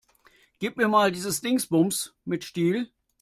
Gib mir mal dieses Dingsbums mit Stiel.